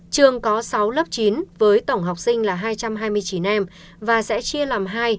trường có sáu lớp chín với tổng học sinh là hai trăm hai mươi chín em và sẽ chia làm hai